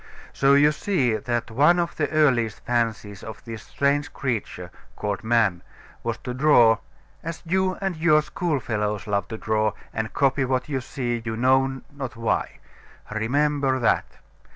So you see that one of the earliest fancies of this strange creature, called man, was to draw, as you and your schoolfellows love to draw, and copy what you see, you know not why. Remember that.